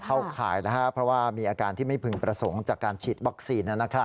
ข่ายเพราะว่ามีอาการที่ไม่พึงประสงค์จากการฉีดวัคซีน